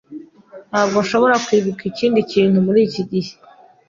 Ntabwo nshobora kwibuka ikindi kintu muri iki gihe.